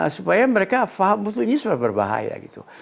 supaya mereka paham ini sudah berbahaya gitu